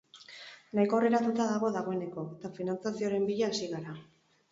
Nahiko aurreratuta dago dagoeneko, eta finantzazioaren bila hasi gara.